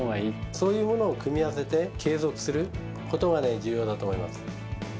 そういうものを組み合わせて、継続することが重要だと思います。